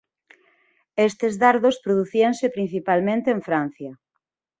Estes dardos producíanse principalmente en Francia.